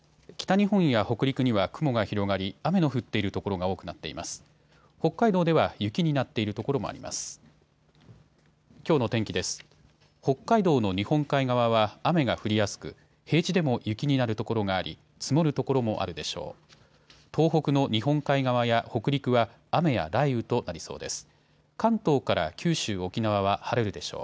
北海道の日本海側は雨が降りやすく平地でも雪になるところがあり、積もる所もあるでしょう。